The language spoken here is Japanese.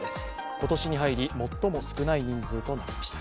今年に入り最も少ない人数となりました。